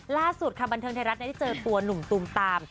ล่าสุดค่ะบันเทิงไทยรัฐได้เจอตัวหนุ่มตูมตาม